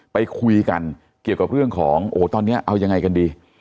ไปคุยกันเกี่ยวกับเรื่องของโอ้โหตอนนี้เอายังไงกันดี